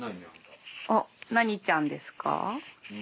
おっ何ちゃんですか？